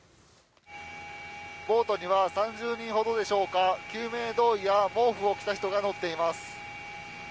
ボートには３０人ほどでしょうか救命胴衣や毛布を着た人が乗っています。